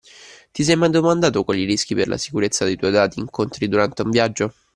Ti sei mai domandato quali rischi per la sicurezza dei tuoi dati incontri durante un viaggio?